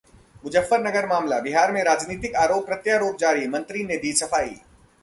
मुजफ्फरपुर मामला: बिहार में राजनीतिक आरोप-प्रत्यारोप जारी, मंत्री ने दी सफाई